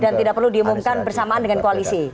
dan tidak perlu diumumkan bersamaan dengan koalisi